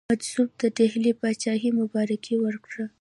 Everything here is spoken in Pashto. مجذوب د ډهلي پاچهي مبارکي ورکړه.